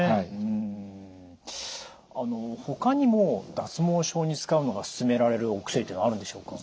うんほかにも脱毛症に使うのが勧められるお薬っていうのはあるんでしょうか？